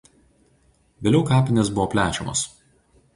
Vėliau kapinės buvo plečiamos.